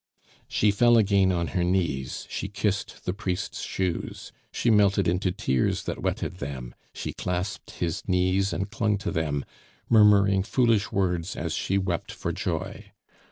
She fell again on her knees, she kissed the priest's shoes, she melted into tears that wetted them, she clasped his knees, and clung to them, murmuring foolish words as she wept for joy.